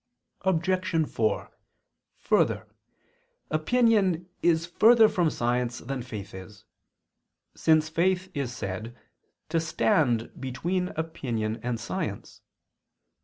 Obj. 4: Further, opinion is further from science than faith is, since faith is said to stand between opinion and science.